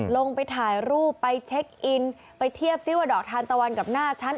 ลงไปถ่ายรูปไปเช็คอินไปเทียบซิว่าดอกทานตะวันกับหน้าฉัน